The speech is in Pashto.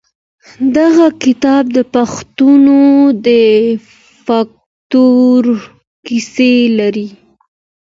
دغه کتاب د پښتنو د فولکلور کیسې لرلې.